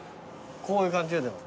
こういう感じよでも。